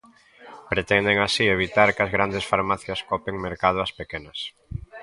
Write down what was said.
Pretenden así evitar que as grandes farmacias copen mercado ás pequenas.